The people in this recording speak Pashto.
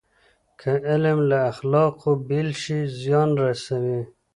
که علم له اخلاقو بېل شي، زیان رسوي.